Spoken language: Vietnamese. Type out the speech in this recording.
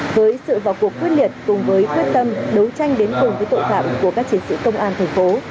với sự vào cuộc quyết liệt cùng với quyết tâm đấu tranh đến cùng với tội phạm của các chiến sĩ công an thành phố